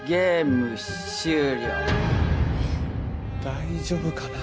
大丈夫かな？